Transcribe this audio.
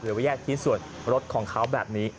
ไปแยกชิ้นส่วนรถของเขาแบบนี้